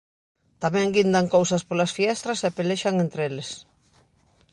Tamén guindan cousas polas fiestras e pelexan entre eles.